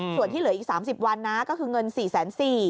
ส่วนที่เหลืออีก๓๐วันนะก็คือเงิน๔๔๐๐บาท